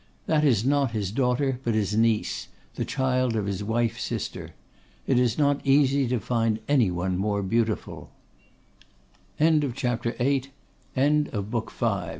That is not his daughter, but his niece; the child of his wife's sister. It is not easy to find any one more beautiful.' END OF BOOK V.